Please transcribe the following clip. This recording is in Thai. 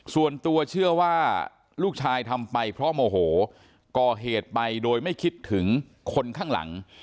ส่วนตัวเชื่อว่าลูกชายทำไปเพราะโมโหก่อเหตุไปโดยไม่คิดถึงคนข้างหลัง